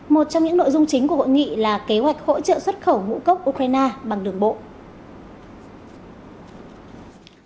một trong những nội dung chính của hội nghị là kế hoạch hỗ trợ xuất khẩu ngũ cốc ukraine bằng đường bộ